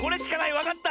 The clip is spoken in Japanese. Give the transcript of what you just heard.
わかった！